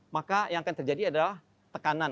maka yang akan terjadi adalah tekanan